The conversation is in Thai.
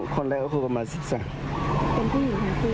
คนแรกก็เกินประมาณสิบสักเป็นผู้หญิงของผู้